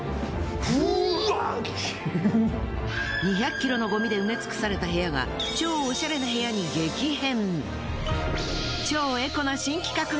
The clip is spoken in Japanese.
２００ｋｇのゴミで埋め尽くされた部屋が超オシャレな部屋に激変！